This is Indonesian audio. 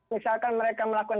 misalkan mereka melakukan